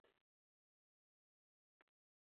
Kuki uhora unkorera ibyo?